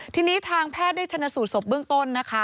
ทีนี้ทางแพทย์ได้ชนะสูตรศพเบื้องต้นนะคะ